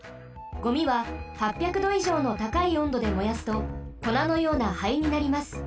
ゴミは８００どいじょうのたかいおんどで燃やすとこなのような灰になります。